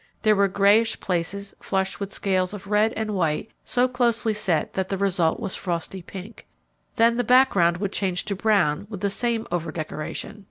There were greyish places flushed with scales of red and white so closely set that the result was frosty pink. Then the background would change to brown with the same over decoration.